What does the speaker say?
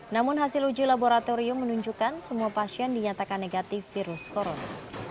namun hasil uji laboratorium menunjukkan semua pasien dinyatakan negatif virus corona